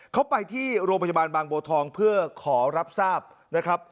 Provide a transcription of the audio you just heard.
เขาไปที่โรงพยาบาลบางบัวทองเพื่อขอรับทราบนะครับ